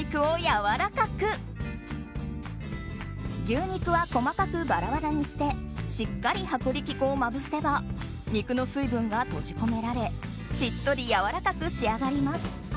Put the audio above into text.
牛肉は細かくバラバラにしてしっかり薄力粉をまぶせば肉の水分が閉じ込められしっとりやわらかく仕上がります。